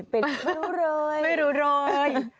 ไม่รู้โรยไม่รู้โรย